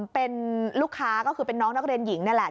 เป็นลูกค้าก็คือเป็นน้องนักเรียนหญิงนี่แหละ